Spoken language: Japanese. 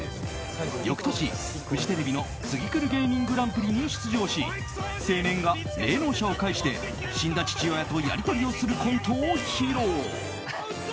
翌年、フジテレビのツギクル芸人グランプリに出場し青年が霊能者を介して死んだ父親とやり取りをするコントを披露。